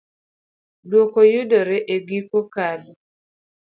Dwoko yudore e giko kad.